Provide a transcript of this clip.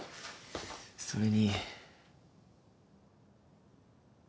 それに。